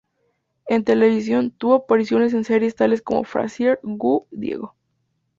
En televisión, tuvo apariciones en series tales como "Frasier", "Go, Diego!